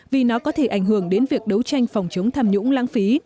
vì nó có thể ảnh hưởng đến việc đấu tranh phòng chống tham nhũng lãng phí